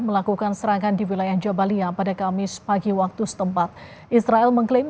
melakukan serangan di wilayah jabalia pada kamis pagi waktu setempat israel mengklaim